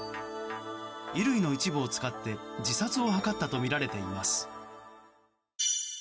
衣類の一部を使って自殺を図ったとみられています。